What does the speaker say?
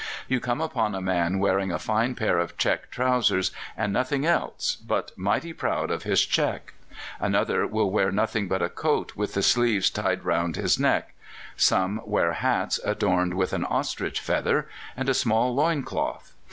You come upon a man wearing a fine pair of check trousers, and nothing else, but mighty proud of his check; another will wear nothing but a coat, with the sleeves tied round his neck; some wear hats adorned with an ostrich feather, and a small loin cloth.